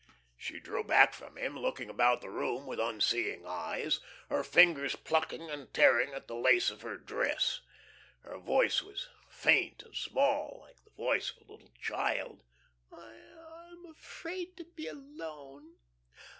She drew back from him, looking about the room with unseeing eyes, her fingers plucking and tearing at the lace of her dress; her voice was faint and small, like the voice of a little child. "I I am afraid to be alone.